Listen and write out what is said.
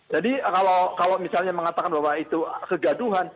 jadi kalau misalnya mengatakan bahwa itu kegaduhan